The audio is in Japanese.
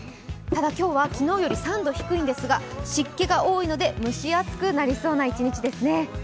ただ、今日は昨日より３度低いんですが、湿気が多いので蒸し暑くなりそうな一日ですね。